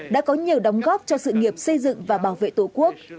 đã có nhiều đóng góp cho sự nghiệp xây dựng và bảo vệ tổ quốc